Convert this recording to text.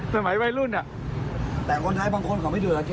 สมัยไว้ลุ่นแต่คนไท้บางคนเขาไม่ดูร้านกิลหรอ